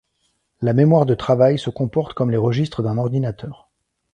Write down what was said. La mémoire de travail se comporte comme les registres d'un ordinateur.